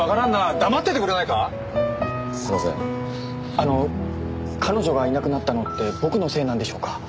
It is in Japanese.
あの彼女がいなくなったのって僕のせいなんでしょうか？